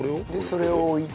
それを置いて。